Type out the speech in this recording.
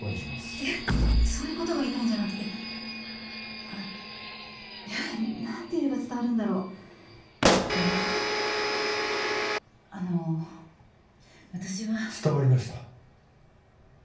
いやそういうことが言いたいんじゃなくてあいや何て言えば伝わるんだろうえっとあの私は伝わりました